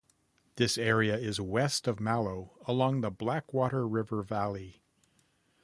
This area is west of Mallow along the Blackwater river valley.